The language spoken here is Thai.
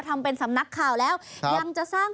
ทำเป็นสำนักข่าวแล้วยังจะสร้าง